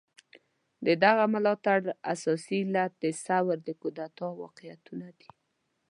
د دغه ملاتړ اساسي علت د ثور د کودتا واقعيتونه دي.